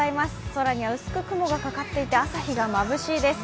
空には薄く雲がかかっていて朝日がまぶしいです。